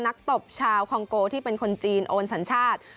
ตบชาวคองโกที่เป็นคนจีนโอนสัญชาติ